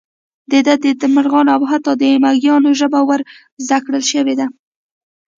ده ته د مارغانو او حتی د مېږیانو ژبه ور زده کړل شوې وه.